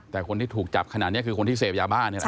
แต่คนที่ถูกจับขนาดนี้คือคนที่เสพยาบ้านี่แหละ